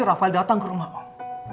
rafael datang ke rumah om